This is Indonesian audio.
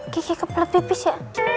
gigi kepelet pipis ya